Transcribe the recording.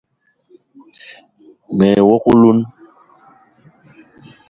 Me ye wok oloun